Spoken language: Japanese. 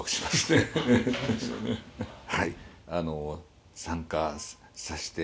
はい！